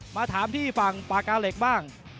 มาถามที่ฝั่งปากกาเหล็กบ้าง